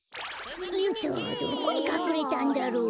んっとどこにかくれたんだろう。